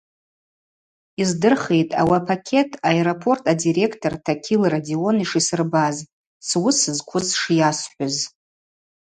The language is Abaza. Йыздырхитӏ ауи апакет аэропорт адиректор Такил Родион йшисырбаз, суыс зквыз шйасхӏвыз.